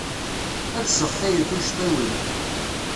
Ad sseɣtayen tucḍiwin.